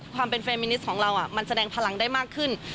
ความเป็นเฟรมมินิสของเรามันแสดงพลังได้มากขึ้น